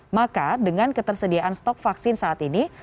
maka dengan ketersediaan stok vaksin saat ini